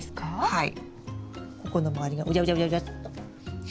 はい。